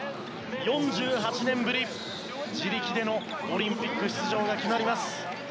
４８年ぶり自力でのオリンピック出場が決まります。